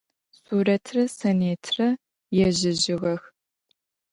Сурэтрэ Санетрэ ежьэжьыгъэх.